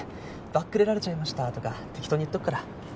ばっくれられちゃいましたとか適当に言っとくから。